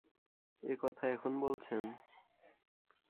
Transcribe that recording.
একথা এখন বলছেন?